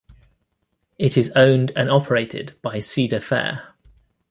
It is owned and operated by Cedar Fair.